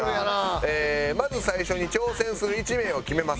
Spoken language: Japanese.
まず最初に挑戦する１名を決めます。